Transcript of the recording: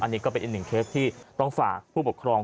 อันนี้ก็เป็นอีกหนึ่งเคสที่ต้องฝากผู้ปกครอง